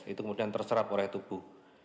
itu kemudian terserap oleh tubuh